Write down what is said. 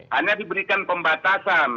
hanya diberikan pembatasan